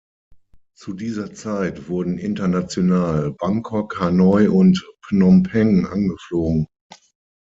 Zu dieser Zeit wurden international Bangkok, Hanoi und Phnom Penh angeflogen.